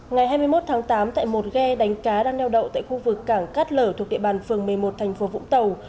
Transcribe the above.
ngày hai mươi một tháng tám tại một ghe đánh cá đang neo đậu tại khu vực cảng cát lở thuộc địa bàn phường một mươi một thành phố vũng tàu